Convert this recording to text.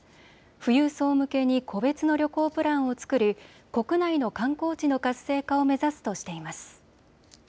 富裕層向けに個別の旅行プランを作り国内の観光地の活性化を目指すとしています。